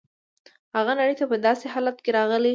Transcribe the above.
هغه نړۍ ته په داسې حالت کې راغلی.